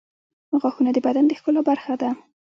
غاښونه د بدن د ښکلا برخه ده.